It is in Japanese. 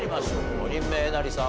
５人目えなりさん